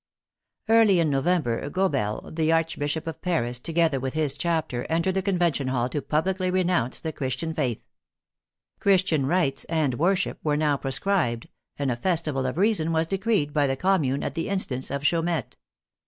Early in November Gobel, the Arch bishop of Paris, together with his chapter, entered the Convention hall to publicly renounce the Christian faith. Christian rites and worship were now proscribed, and a Festival of Reason was decreed by the Commune at the instance of Chaumette.